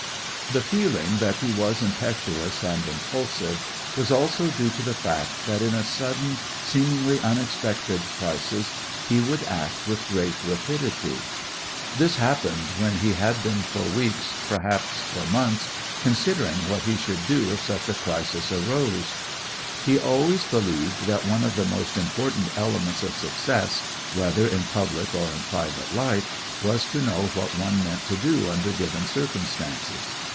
The feeling that he was impetuous and impulsive was also due to the fact that in a sudden, seemingly unexpected crisis he would act with great rapidity. This happened when he had been for weeks, perhaps for months, considering what he should do if such a crisis arose. He always believe that one of the most important elements of success, whether in public or in private life, was to know what one meant to do under given circumstances.